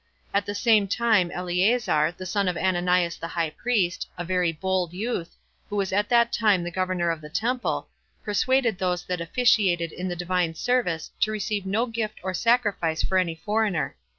At the same time Eleazar, the son of Ananias the high priest, a very bold youth, who was at that time governor of the temple, persuaded those that officiated in the Divine service to receive no gift or sacrifice for any foreigner.